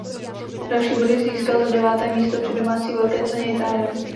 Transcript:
Další body získal za deváté místo při domácí Velké ceně Itálie.